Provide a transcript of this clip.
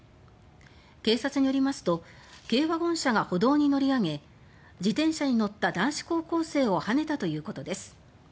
警察によりますと軽ワゴン車が歩道に乗り上げ自転車に乗った男子高校生をはねたということです。